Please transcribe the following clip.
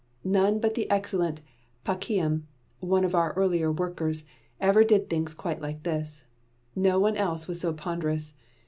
No one but the excellent Pakium, one of our earlier workers, ever did things quite like this. No one else was so ponderous.